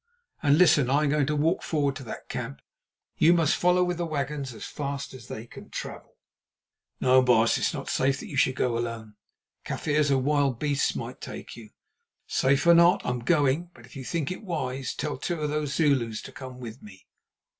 And listen: I am going to walk forward to that camp; you must follow with the wagons as fast as they can travel." "No, baas, it is not safe that you should go alone. Kaffirs or wild beasts might take you." "Safe or not, I am going; but if you think it wise, tell two of those Zulus to come with me."